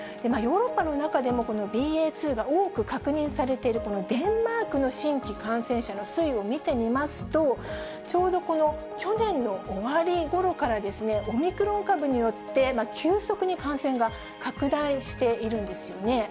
ヨーロッパの中でも、このＢＡ．２が多く確認されているこのデンマークの新規感染者の推移を見てみますと、ちょうどこの去年の終わりごろから、オミクロン株によって急速に感染が拡大しているんですよね。